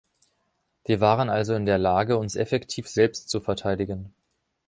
Wir waren also in der Lage, uns effektiv selbst zu verteidigen.